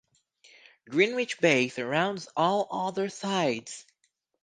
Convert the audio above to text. Greenwich Bay surrounds all other sides.